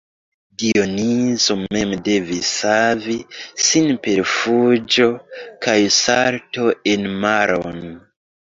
Dionizo mem devis savi sin per fuĝo kaj salto en maron.